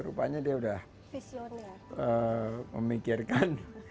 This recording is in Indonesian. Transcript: rupanya dia udah memikirkan